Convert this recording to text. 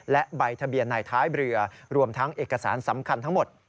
และใบทะเบียนในท้ายเรือรวมทั้งเอกสารสำคัญทั้งหมด